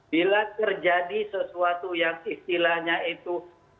bila terjadi sesuatu yang istilahnya itu